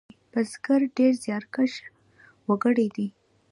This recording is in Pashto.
بزگران ډېر زیارکښ وگړي دي.